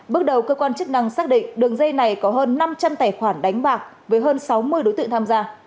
bước đầu cơ quan chức năng xác định đường dây này có hơn năm trăm linh tài khoản đánh bạc với hơn sáu mươi đối tượng tham gia